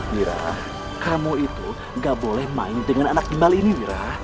wira kamu itu gak boleh main dengan anak gimbal ini wira